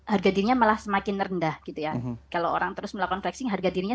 harga dirinya malah semakin rendah gitu ya kalau orang terus melakukan flexing harga dirinya